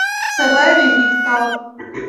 V sedle je vyhlídka.